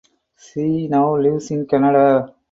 She now lives in Canada.